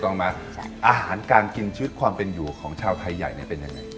ต้องมาอาหารการกินชีวิตความเป็นอยู่ของชาวไทยใหญ่เนี่ยเป็นยังไง